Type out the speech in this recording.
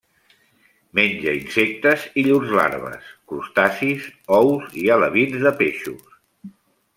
Menja insectes i llurs larves, crustacis i ous i alevins de peixos.